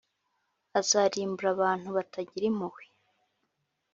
azarimbura abantu batagira impuhwe,